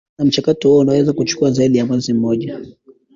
na mchakato huo unaweza kuchukua zaidi ya mwezi mmoja